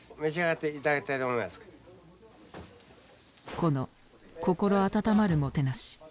この心温まるもてなし。